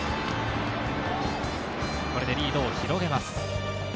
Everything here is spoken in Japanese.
これでリードを広げます。